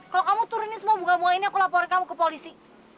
kalau kamu turunin semua buka bunga ini aku laporin kamu ke polisi